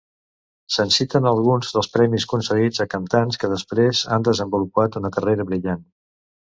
Se'n citen alguns dels premis concedits a cantants que després han desenvolupat una carrera brillant.